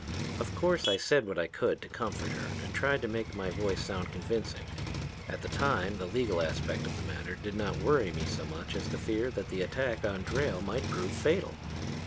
"Of course I said what I could to comfort her and tried to make my voice sound convincing. At the time the legal aspect of the matter did not worry me so much as the fear that the attack on Drayle might prove fatal.